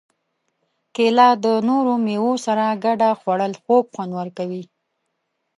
کېله د نورو مېوو سره ګډه خوړل خوږ خوند ورکوي.